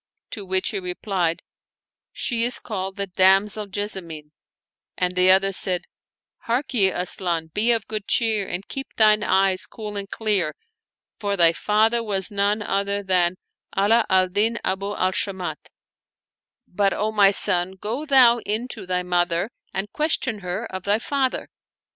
to which he re plied, " She is called the damsel Jessamine; " and the other said, " Hark ye, Asian, be of good cheer and keep thine eyes cool and clear; for thy father was none other than Ala al Din Abu al Shamat : but, O my son, go thou in to 150 Calamity Ahmad and Habzalam Bazazah thy mother and question her of thy father."